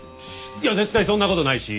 いや絶対そんなことないし。